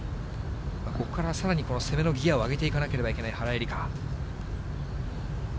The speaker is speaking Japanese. ここからさらに攻めのギアを上げていかなければいけない原英莉花。